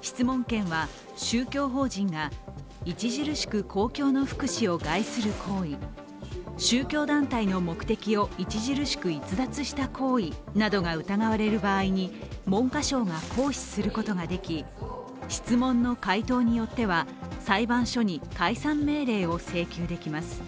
質問権は宗教法人が著しく公共の福祉を害する行為、宗教団体の目的を著しく逸脱した行為などが疑われる場合に文科省が行使することができ質問の回答によっては裁判所に解散命令を請求できます。